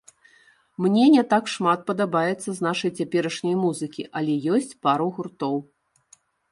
Мне не так шмат падабаецца з нашай цяперашняй музыкі, але ёсць пару гуртоў.